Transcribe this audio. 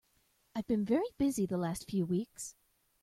I've been very busy the last few weeks.